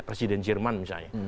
presiden jerman misalnya